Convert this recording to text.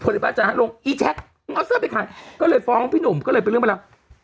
พลิพาสสัตว์ลงอีแจ๊กเอาเสื้อไปขายก็เลยฟ้องพี่หนุ่มก็เลยไปเรื่องบ้างแล้ว